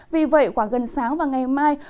vì vậy qua gần sáng và ngày mai